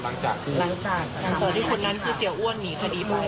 หลังจากคุณนั้นคือเสียอ้วนหนีคดีป่ะ